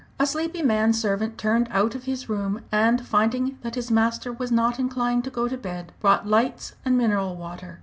A sleepy man servant turned out of his room, and finding that his master was not inclined to go to bed, brought lights and mineral water.